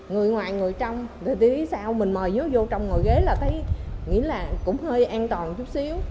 người ngoài người trong rồi tí sau mình mời vô trong ngồi ghế là thấy nghĩ là cũng hơi an toàn chút xíu